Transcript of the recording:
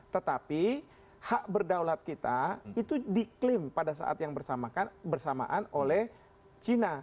tetapi hak berdaulat kita itu diklaim pada saat yang bersamaan oleh china